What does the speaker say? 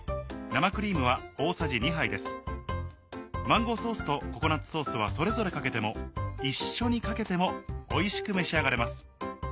マンゴーソースとココナッツソースはそれぞれかけても一緒にかけてもおいしく召し上がれます。